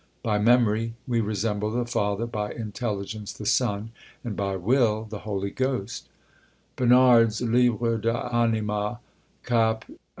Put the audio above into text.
By memory, we resemble the Father; by intelligence, the Son; and by will, the Holy Ghost." Bernard's Lib. de Animâ, cap.